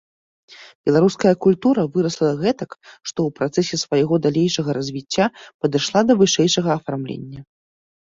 Беларуская культура вырасла гэтак, што ў працэсе свайго далейшага развіцця падышла да вышэйшага афармлення.